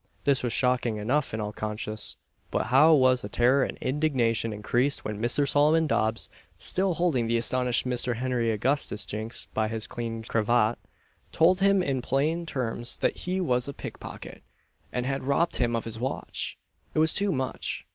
This was shocking enough in all conscience; but how was the terror and indignation increased when Mr. Solomon Dobbs, still holding the astonished Mr. Henry Augustus Jinks by his clean cravat, told him in plain terms that he was a pickpocket, and had robbed him of his watch! It was too much.